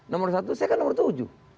nomor satu saya kan nomor tujuh